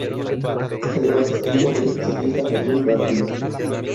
Además es primo del ciclista Daniel Martin.